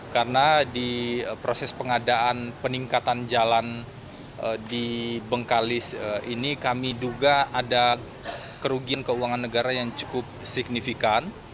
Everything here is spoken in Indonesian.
karena di proses pengadaan peningkatan jalan di bengkalis ini kami duga ada kerugian keuangan negara yang cukup signifikan